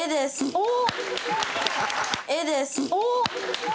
おっ！